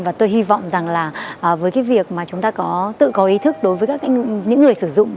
và tôi hy vọng rằng là với cái việc mà chúng ta có tự có ý thức đối với những người sử dụng